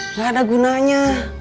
enggak ada gunanya